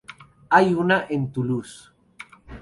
Hay una en Toulouse.